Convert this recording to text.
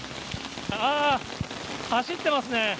ああ、走ってますね。